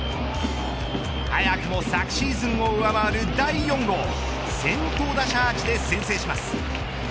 早くも昨シーズンを上回る第４号先頭打者アーチで先制します。